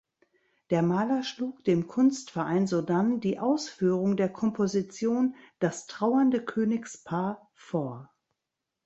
Der Maler schlug dem Kunstverein sodann die Ausführung der Komposition "Das trauernde Königspaar" vor.